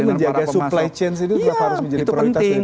berarti menjaga supply chain itu juga harus menjadi prioritas dari transporan